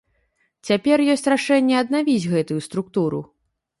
Цяпер ёсць рашэнне аднавіць гэтую структуру.